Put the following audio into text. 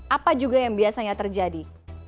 apa juga yang biasanya terjadi